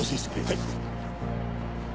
はい！